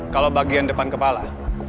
kalo bagian depan kepala